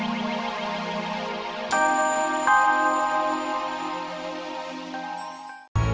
sembunyian banget ma